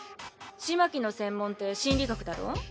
風巻の専門って心理学だろ？